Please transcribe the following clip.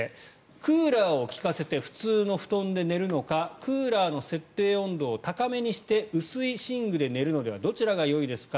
クーラーを利かせて普通の布団で寝るのかクーラーの設定温度を高めにして薄い寝具で寝るのではどちらがよいですか？